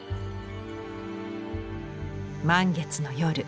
満月の夜。